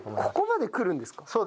ここまでくるんですか？